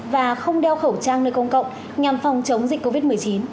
và không đeo khẩu trang nơi công cộng nhằm phòng chống dịch covid một mươi chín